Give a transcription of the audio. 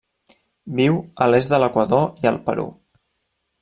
Viu a l'est de l'Equador i el Perú.